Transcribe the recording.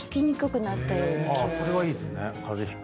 それはいいですね。